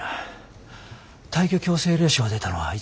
退去強制令書が出たのはいつですか？